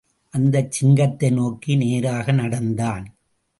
அந்தச் சிங்கத்தை நோக்கி நேராக நடந்தான்.